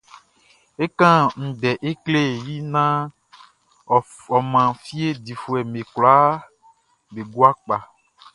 É kán ndɛ é klé i naan ɔ man fie difuɛʼm be kwlaa be gua kpa.